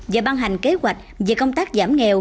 và ban hành kế hoạch về công tác giảm nghèo